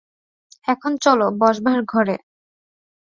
এখন চলো বসবার ঘরে।